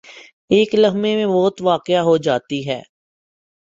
ایک لمحے میں موت واقع ہو جاتی ہے۔